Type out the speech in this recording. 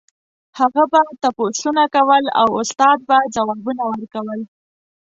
هغه به تپوسونه کول او استاد به ځوابونه ورکول.